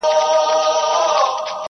محکمې ته یې مېرمن کړه را حضوره -